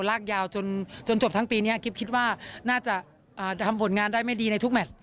ลากยาวจนจบทั้งปีนี้กิ๊บคิดว่าน่าจะทำผลงานได้ไม่ดีในทุกแมท